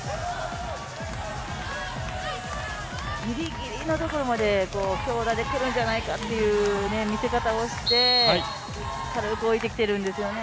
ギリギリのところまで強打で来るんじゃないかという見せ方をしてから動いてきてるんですよね。